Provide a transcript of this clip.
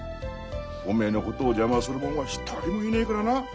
おめえのことを邪魔するもんは一人もいねえからな。